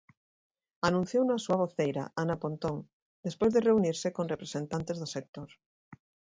Anunciouno a súa voceira, Ana Pontón, despois de reunirse con representantes do sector.